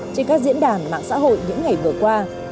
trên các diễn đàn mạng xã hội những ngày vừa qua